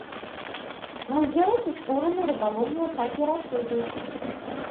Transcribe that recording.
На ўзбярэжжы створаны рыбалоўныя кааператывы.